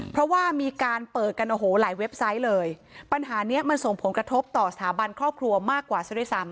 เพราะว่ามีการเปิดกันโอ้โหหลายเว็บไซต์เลยปัญหาเนี้ยมันส่งผลกระทบต่อสถาบันครอบครัวมากกว่าซะด้วยซ้ำ